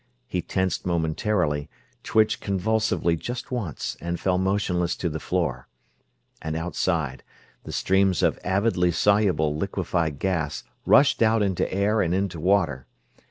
He tensed momentarily, twitched convulsively just once, and fell motionless to the floor. And outside, the streams of avidly soluble liquefied gas rushed out into air and into water.